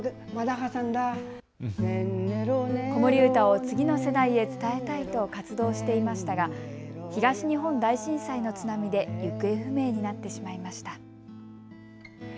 子守歌を次の世代へ伝えたいと活動していましたが東日本大震災の津波で行方不明になってしまいました。